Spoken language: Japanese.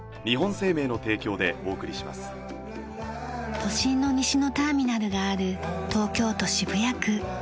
都心の西のターミナルがある東京都渋谷区。